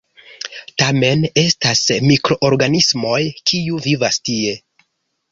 Tamen estas mikroorganismoj, kiu vivas tie.